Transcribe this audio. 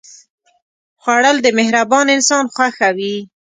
خوړل د مهربان انسان خوښه وي